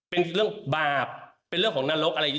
เป็นเรื่องบาปเป็นเรื่องของนรกอะไรอย่างนี้